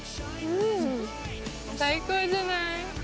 最高じゃない？